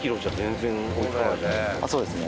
そうですね。